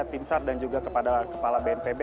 timsar dan juga kepada kepala bnpb